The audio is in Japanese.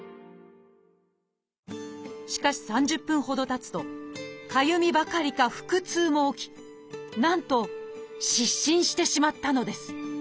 しかし３０分ほどたつとかゆみばかりか腹痛も起きなんと失神してしまったのです。